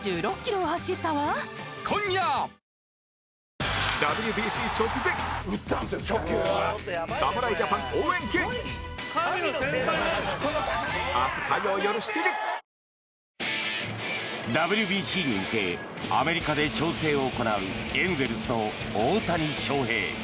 フラミンゴＷＢＣに向けアメリカで調整を行うエンゼルスの大谷翔平。